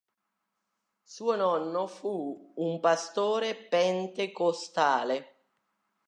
Suo nonno fu un pastore pentecostale.